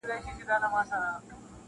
چي په تېغ کوي څوک لوبي همېشه به زخمي وینه-